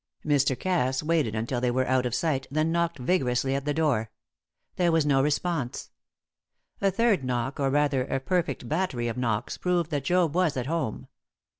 Mr. Cass waited until they were out of sight, then knocked vigorously at the door. There was no response. A third knock, or, rather, a perfect battery of knocks, proved that Job was at home.